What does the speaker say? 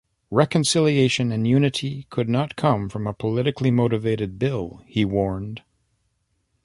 Reconciliation and unity could not come from a politically motivated bill, he warned.